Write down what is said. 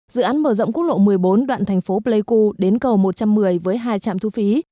dự án mở rộng quốc lộ một mươi bốn đoạn thành phố pleiku đến cầu một trăm một mươi với hai trạm thu phí